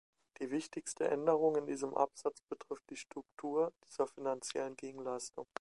Die wichtigste Änderung in diesem Absatz betrifft die Struktur dieser finanziellen Gegenleistung.